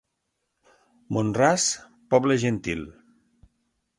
Mont-ras, poble gentil.